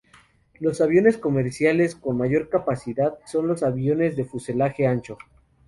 Los aviones comerciales con mayor capacidad son los aviones de fuselaje ancho.